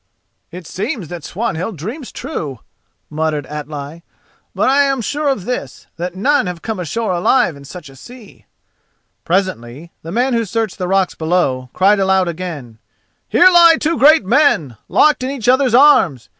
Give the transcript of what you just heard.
"It seems that Swanhild dreams true," muttered Atli; "but I am sure of this: that none have come ashore alive in such a sea." Presently the man who searched the rocks below cried aloud again: "Here lie two great men, locked in each other's arms.